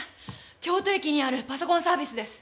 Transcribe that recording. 京都駅にあるパソコンサービスです。